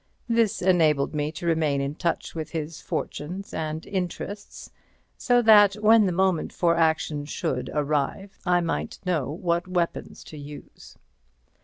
This enabled me to remain in touch with his fortunes and interests, so that, when the moment for action should arrive, I might know what weapons to use.